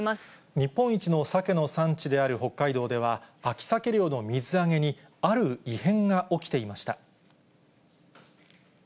日本一のサケの産地である北海道では、秋サケ漁の水揚げにある異変が起きていました。